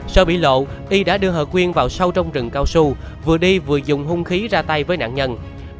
sau bị lộ y đã đưa vợ quyên vào sâu trong rừng cao su vừa đi vừa dùng hung khí ra tay với nạn nhân